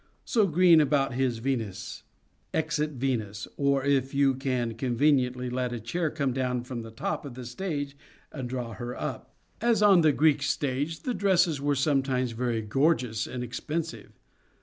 So Greene about his Venus :" Exit Venus, or if you can conveniently let a chair come down from the top of the stage and draw her up." As on the Greek stage, the dresses were sometimes very gorgeous and expensive.